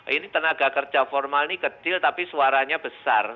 ini tenaga kerja formal ini kecil tapi suaranya besar